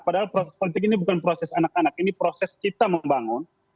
padahal proses politik ini bukan proses anak anak ini proses kita membangun